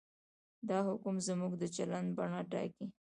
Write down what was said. دا حکم زموږ د چلند بڼه ټاکي.